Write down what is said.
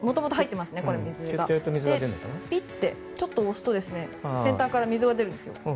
ピッと、ちょっと押すと先端から水が出るんですよ。